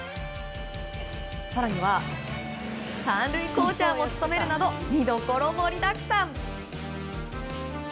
更には３塁コーチャーも務めるなど見どころ盛りだくさん。